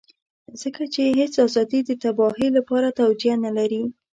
ځکه چې هېڅ ازادي د تباهۍ لپاره توجيه نه لري.